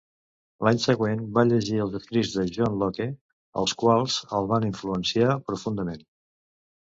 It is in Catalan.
L'any següent, va llegir els escrits de John Locke, els quals el van influenciar profundament.